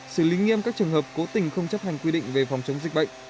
xử lý nghiêm các trường hợp cố tình không chấp hành quy định về phòng chống dịch bệnh